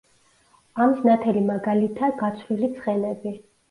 ამის ნათელი მაგალითა გაცვლილი ცხენები.